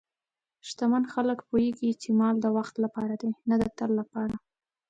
شتمن خلک پوهېږي چې مال د وخت لپاره دی، نه د تل لپاره.